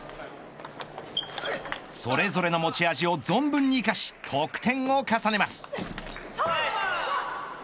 それぞれの持ち味を存分に生かし得点を重ねます。